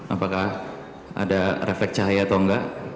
apakah ada refek cahaya atau enggak